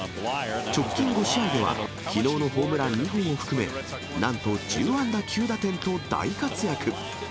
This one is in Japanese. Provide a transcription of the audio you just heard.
直近５試合では、きのうのホームラン２本を含め、なんと１０安打９打点と大活躍。